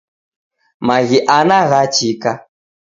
Maghi ana ghachika.